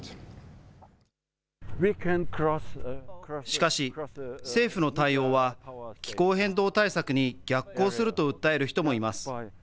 しかし、政府の対応は、気候変動対策に逆行すると訴える人もいます。